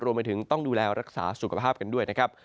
รวมไปถึงต้องดูแลรักษาสุขภาพกันด้วยนะครับ